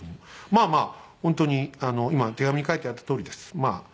まあまあ本当に今手紙に書いてあったとおりです。